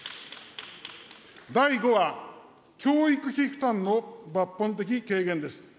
第５は、教育費負担の抜本的軽減です。